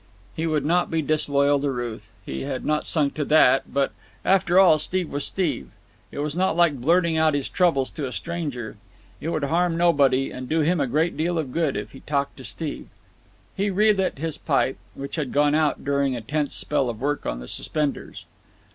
He would not be disloyal to Ruth—he had not sunk to that—but, after all Steve was Steve. It was not like blurting out his troubles to a stranger. It would harm nobody, and do him a great deal of good, if he talked to Steve. He relit his pipe, which had gone out during a tense spell of work on the suspenders.